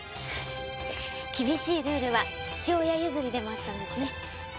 厳しいルールは父親譲りでもあったんですね。